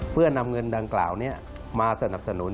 เพื่อนำเงินดังกล่าวนี้มาสนับสนุน